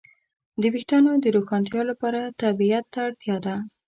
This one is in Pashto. د وېښتیانو د روښانتیا لپاره طبيعت ته اړتیا ده.